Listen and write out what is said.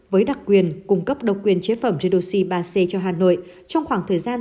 với đặc quyền cung cấp độc quyền chế phẩm edoxi ba c cho hà nội trong khoảng thời gian